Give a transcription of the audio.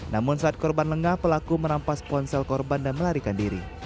namun saat korban lengah pelaku merampas ponsel korban dan melarikan diri